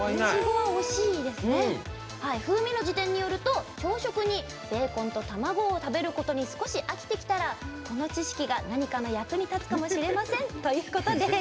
「風味の事典」によると朝食にベーコンと卵を食べることに少し飽きてきたらこの知識が役に立つかもしれませんということです。